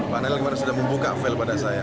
pak daniel sudah membuka fail pada saya